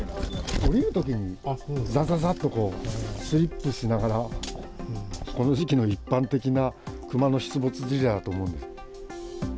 降りるときに、ざざざっとこう、スリップしながら、この時期の一般的なクマの出没事例だと思うんで。